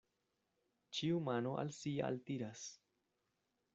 Ĉiu mano al si altiras.